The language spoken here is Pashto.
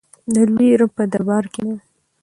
د لوی رب په دربار کې مو.